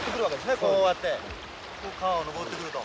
こうやって川を上ってくると。